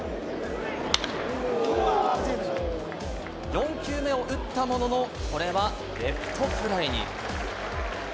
４球目を打ったものの、これはレフトフライに。